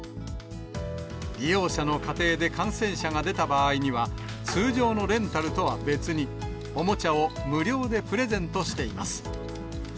利用者の家庭で感染者が出た場合には、通常のレンタルとは別に、おもちゃを無料でプレゼントしています。